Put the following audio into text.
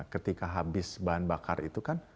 ketika habis bahan bakar itu kan